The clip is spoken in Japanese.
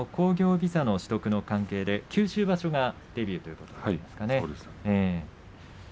ビザの取得の関係で九州場所がデビューということになりますね。